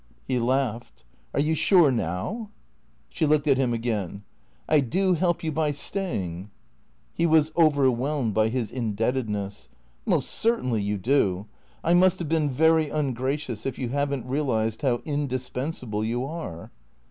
He laughed. " Are you sure now ?" She looked at him again. " I do help you by staying ?" He was overwhelmed by his indebtedness. " Most certainly you do. I must have been very ungracious if you have n't realized how indispensable you are."